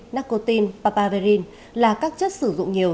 nicotine papaverine là các chất sử dụng nhiều